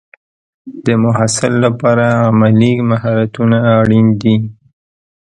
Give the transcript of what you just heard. د محصل لپاره عملي مهارتونه اړین دي.